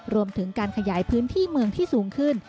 รวมถึงการขยายพื้นที่เมืองที่สูงขึ้น